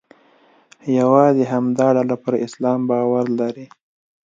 یوازې همدا ډله پر اسلام باور لري.